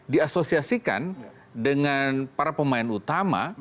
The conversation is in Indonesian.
diasosiasikan dengan para pemain utama